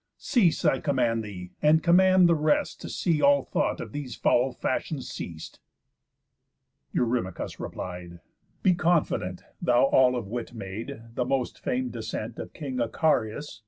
Cease, I command thee, and command the rest To see all thought of these foul fashions ceas'd." Eurymachus replied: "Be confident, Thou all of wit made, the most fam'd descent Of king Icarius.